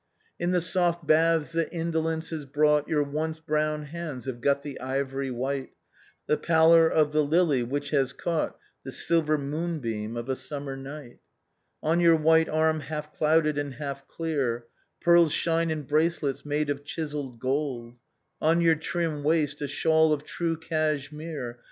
" In the soft baths that indolence has brought Your ouce brown hands have got the ivory white, The pallor of the lily which has caught The silver moonbeam of a summer night :" On your white arm half clouded, and half clear, Pearls shine in bracelets made of chiselled gold; On your trim waist a shawl of true Cashmere